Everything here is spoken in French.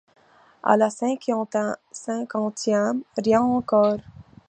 À la cinquantième, rien encore!